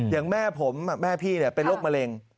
อย่างแม่ผมแม่พี่เป็นโรคมะเร็ง